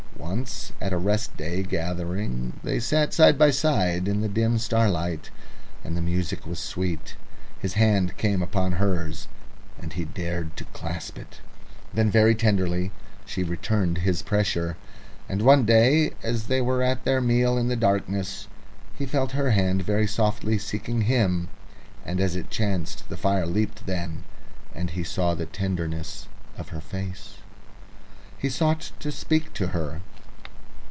Once at a rest day gathering they sat side by side in the dim starlight, and the music was sweet. His hand came upon hers and he dared to clasp it. Then very tenderly she returned his pressure. And one day, as they were at their meal in the darkness, he felt her hand very softly seeking him, and as it chanced the fire leapt then and he saw the tenderness of her face. He sought to speak to her.